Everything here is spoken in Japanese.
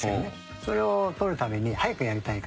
それを取るために早くやりたいから。